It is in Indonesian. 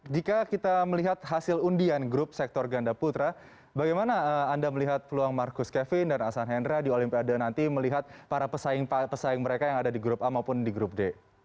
jika kita melihat hasil undian grup sektor ganda putra bagaimana anda melihat peluang marcus kevin dan asan hendra di olimpiade nanti melihat para pesaing mereka yang ada di grup a maupun di grup d